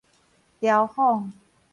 嘲諷